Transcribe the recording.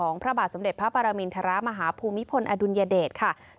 ของพระบาทสมเด็จพระปรมินทรมหาภูมิพลอดุญเดชของพระบาทสมเด็จพระปรมินทรมาฮาภูมิพลอดุญเดช